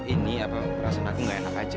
ini apa perasaan aku nggak enak aja